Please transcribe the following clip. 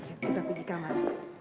ayo kita pergi ke kamar